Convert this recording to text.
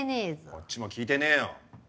こっちも聞いてねえよ。